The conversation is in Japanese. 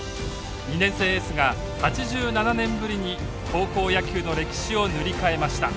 ２年生エースが８７年ぶりに高校野球の歴史を塗り替えました。